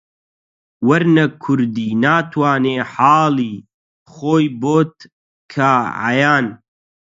وەرنە کوردی ناتوانێ حاڵی خۆی بۆت کا عەیان